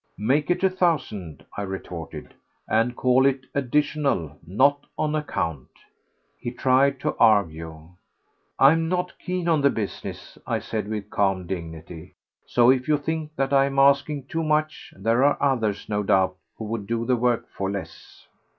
"Make it a thousand," I retorted; "and call it 'additional,' not 'on account.'" He tried to argue. "I am not keen on the business," I said with calm dignity, "so if you think that I am asking too much—there are others, no doubt, who would do the work for less."